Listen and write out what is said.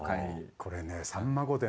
これね「さんま御殿」